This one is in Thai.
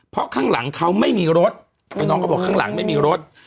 เพราะข้างหลังเขาไม่มีรถคือน้องก็บอกข้างหลังไม่มีรถ